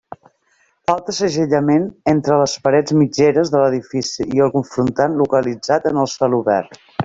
Falta segellament entre les parets mitgeres de l'edifici i el confrontant localitzat en el celobert.